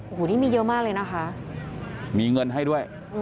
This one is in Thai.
โอ้โหนี่มีเยอะมากเลยนะคะมีเงินให้ด้วย